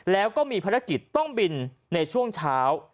แล้วก็มีภารกิจต้องบินในช่วงเช้า